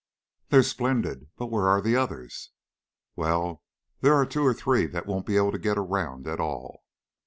"They are splendid. But where are the others?" "Well, there are two or three that won't be able to get around at all."